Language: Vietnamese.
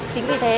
chính vì thế